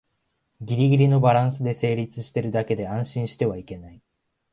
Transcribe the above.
ギリギリのバランスで成立してるだけで安心してはいけない